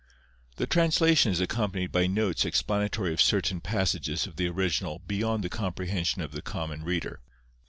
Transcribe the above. The translation is accompanied by notes explanatory of certain passages of the original beyond the comprehension of the common reader.